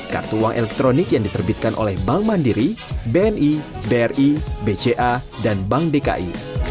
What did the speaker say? kartu uang elektronik yang diterbitkan oleh bank mandiri bni bri bca dan bank dki